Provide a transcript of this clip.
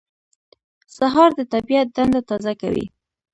سهار د طبیعت دنده تازه کوي.